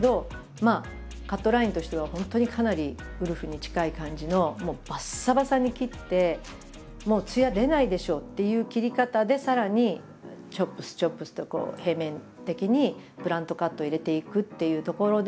まあカットラインとしては本当にかなりウルフに近い感じのもうバッサバサに切ってもう艶出ないでしょっていう切り方でさらにチョップスチョップスとこう平面的にブラントカットを入れていくっていうところで。